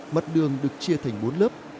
mặt đường được chia thành bốn lớp